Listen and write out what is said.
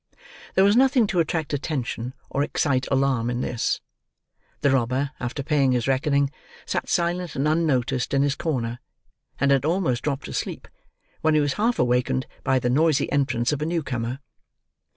There was nothing to attract attention, or excite alarm in this. The robber, after paying his reckoning, sat silent and unnoticed in his corner, and had almost dropped asleep, when he was half wakened by the noisy entrance of a new comer.